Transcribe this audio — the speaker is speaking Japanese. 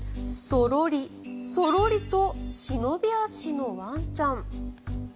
そろり、そろりと忍び足のワンちゃん。